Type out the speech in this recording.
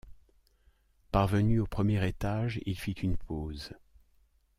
Parvenu au premier étage, il fit une pause.